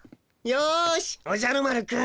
よしおじゃる丸くん